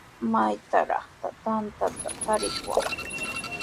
¿Maytrawraq tantata tarishwan?